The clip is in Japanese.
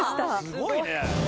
すごいね！